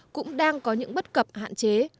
cũng đang có những bất cập hạn chế